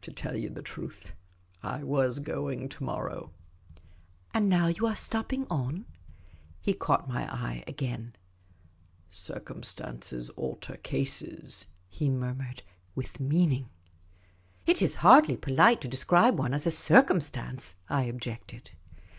To tell you the truth, I was going to morrow. ''" And now you are stopping on ?" 46 Miss Cayley's Adventures He caught my eye again. " Circumstances alter cases," he murmured, with meaning. "It is hardly polite to describe one as a circumstance," I objected.